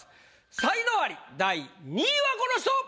才能アリ第２位はこの人！